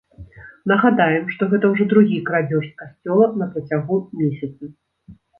Нагадаем, што гэта ўжо другі крадзеж з касцёла на працягу месяца.